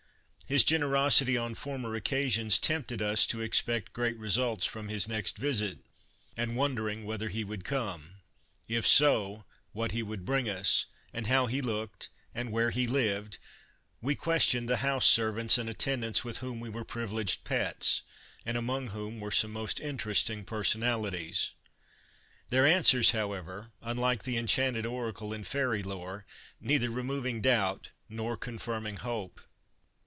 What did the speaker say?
His generosity on former occasions tempted us to expect great results from his next visit, and, wondering whether he would come, if so, what he would bring us, how he looked and where he lived, we questioned the house servants and attendants, with whom we were privileged pets and among whom were some most interesting personalities ; their answers, however, unlike the enchanted oracle in fairy lore, neither removing doubt nor confirming hope.